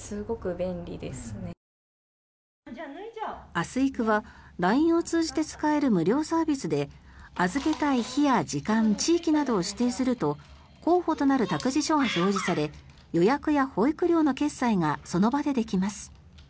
あすいくはＬＩＮＥを通じて使える無料サービスで預けたい日や時間地域などを指定すると候補となる託児所が表示され予約や保育料の決済がその場でできます。